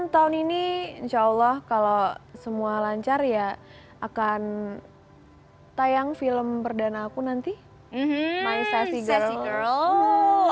tahun ini insya allah kalau semua lancar ya akan tayang film perdana aku nanti main sesi gas